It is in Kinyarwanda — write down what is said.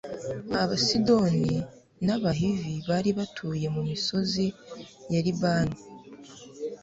abasidoni n'abahivi bari batuye mu misozi ya libani